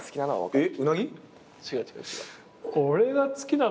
えっ？